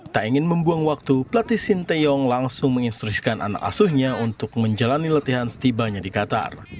tak ingin membuang waktu pelatih shin taeyong langsung menginstrusikan anak asuhnya untuk menjalani latihan setibanya di qatar